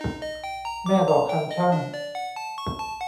แม่เดาะคันชั่ง